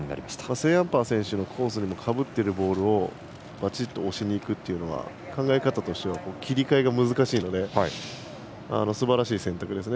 セーンアンパー選手のコースにもかぶっているボールをばちっと押しにいくというのは考え方としては切り替えが難しいのですばらしい選択ですね。